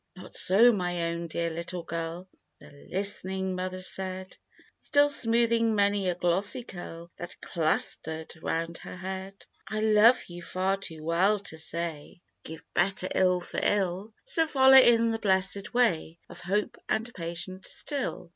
" "Not so, my own, dear little girl," The list'ning Mother said, Still smoothing many a glossy curl That clustered round her head. 70 THE TWO FRIENDS. "I love you far too well to say, 'Give bitter ill for ill;' So follow in the blessed way Of Hope and Patience still.